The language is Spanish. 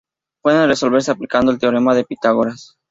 Puede resolverse aplicando el teorema de Pitágoras.